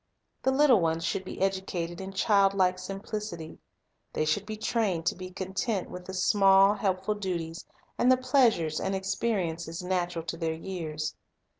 The little ones should be educated in childlike sim plicity. They should be trained to be content with the small, helpful duties and the pleasures and experiences natural to their years.